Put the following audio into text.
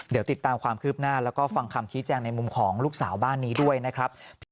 เดี๋ยวติดตามความคืบหน้าแล้วก็ฟังคำชี้แจงในมุมของลูกสาวบ้านนี้ด้วยนะครับ